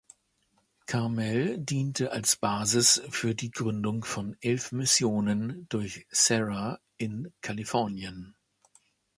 Carmel diente als Basis für die Gründung von elf Missionen durch Serra in Kalifornien.